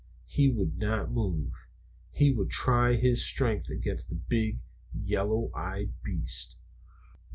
He would not move. He would try his strength against this big yellow eyed beast.